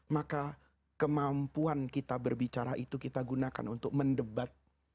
maka kemampuan kita berbicara itu kita gunakan untuk mendebat